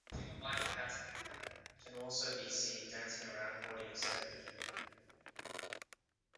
Singer Mike Patton can also be seen dancing around holding a spade.